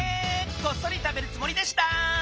こっそり食べるつもりでした。